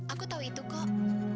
aku tahu itu kok